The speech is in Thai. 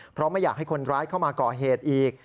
เพราะไม่อยากให้คนร้ายเข้ามาก่อเหตุอีก